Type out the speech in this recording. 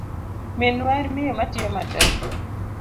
Minwa en miyo matiyo matek.